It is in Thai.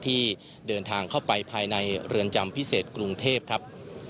ที่เดินทางเข้าไปภายในเรือนจำพิเศษกรุงเทพครับ